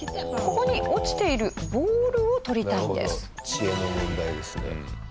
知恵の問題ですね。